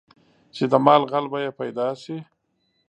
چې د مال غل به یې پیدا شي.